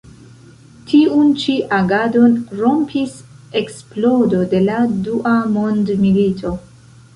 Tiun ĉi agadon rompis eksplodo de la dua mondmilito.